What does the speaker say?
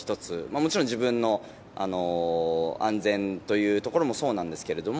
もちろん、自分の安全というところもそうなんですけれども。